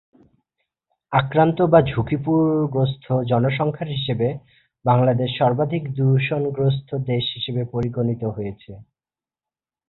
আক্রান্ত বা ঝুঁকিগ্রস্থ জনসংখ্যার হিসেবে বাংলাদেশ সর্বাধিক দূষণগ্রস্থ দেশ হিসেবে পরিগণিত হয়েছে।